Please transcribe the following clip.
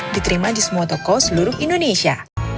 diterima di semua toko seluruh indonesia